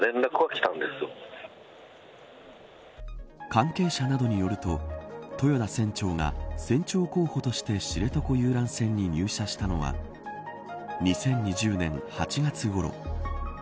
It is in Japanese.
関係者などによると豊田船長が、船長候補として知床遊覧船に入社したのは２０２０年８月ごろ。